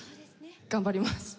頑張ります。